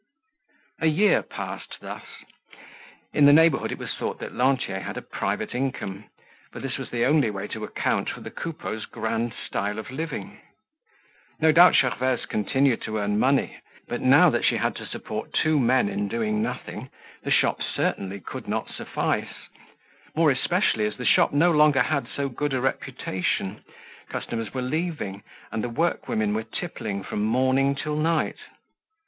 A year passed thus. In the neighborhood it was thought that Lantier had a private income, for this was the only way to account for the Coupeaus' grand style of living. No doubt Gervaise continued to earn money; but now that she had to support two men in doing nothing, the shop certainly could not suffice; more especially as the shop no longer had so good a reputation, customers were leaving and the workwomen were tippling from morning till night.